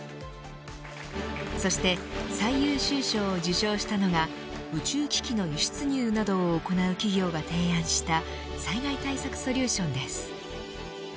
そして最優秀賞を受賞したのが宇宙機器の輸出入などを行う企業が提案した災害対策ソリューションです。